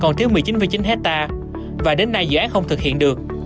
còn thiếu một mươi chín chín hectare và đến nay dự án không thực hiện được